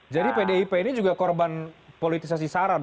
jadi pdip ini juga korban politisasi sara